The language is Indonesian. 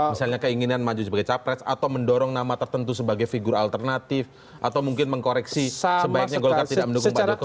misalnya keinginan maju sebagai capres atau mendorong nama tertentu sebagai figur alternatif atau mungkin mengkoreksi sebaiknya golkar tidak mendukung pak jokowi